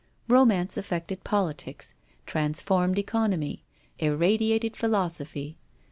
Romance affected politics, transformed economy, irradiated philosophy.